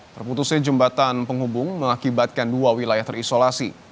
terputusnya jembatan penghubung mengakibatkan dua wilayah terisolasi